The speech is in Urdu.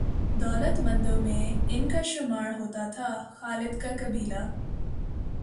دولت مندوں میں ان کا شمار ہوتا تھا۔ خالد کا قبیلہ